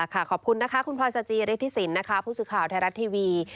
ค่ะขอบคุณคุณพลอยซาจีเรทธิสินผู้สื่อข่าวไทยรัฐทีวี